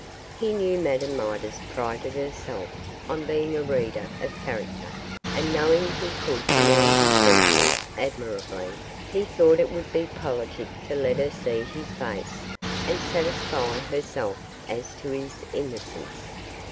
He knew Madame Midas prided herself on being a reader of character, and knowing he could command his features admirably, he thought it would be politic to let her see his face, and satisfy herself as to his innocence.